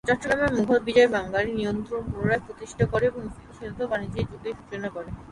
চট্টগ্রামের মুঘল বিজয় বাঙালি নিয়ন্ত্রণ পুনরায় প্রতিষ্ঠা করে এবং স্থিতিশীলতা ও বাণিজ্যের যুগের সূচনা করে।